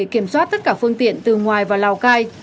kiểm soát tất cả phương tiện từ ngoài vào lào cai